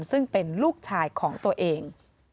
ซึ่งเป็นลูกชายของตัวเอง